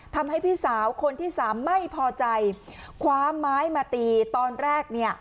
พี่สาวคนที่สามไม่พอใจคว้าไม้มาตีตอนแรกเนี่ย